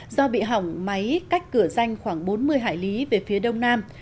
do bị hỏng máy cách cửa danh khoảng bốn mươi hải lý về phía đông nam